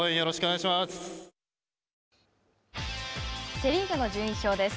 セ・リーグの順位表です。